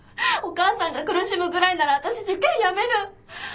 お母さんが苦しむぐらいなら私受験やめる。